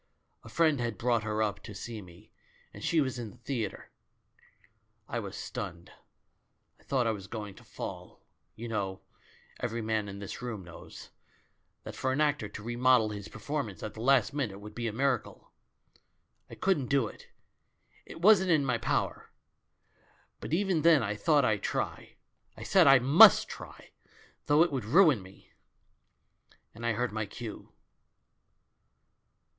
A friend had brought her up to see me, and she was in the theatre. I was stunned, I thought I was going to fall. You know — every man in this room knows — that for an actor to remodel his performance at the last minute would be a miracle. I couldn't do it, it wasn't in my power ; but even then I thought I'd try. I said I miist try^ though it would ruin me! And I heard my cue.